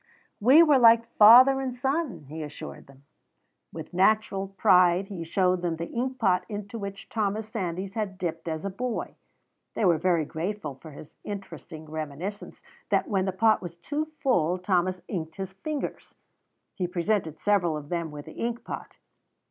"We were like father and son," he assured them. With natural pride he showed them the ink pot into which Thomas Sandys had dipped as a boy. They were very grateful for his interesting reminiscence that when the pot was too full Thomas inked his fingers. He presented several of them with the ink pot.